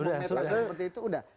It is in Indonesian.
membuatnya seperti itu sudah